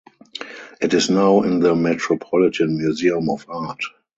It is now in the Metropolitan Museum of Art.